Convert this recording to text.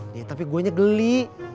ya tapi gua nya geli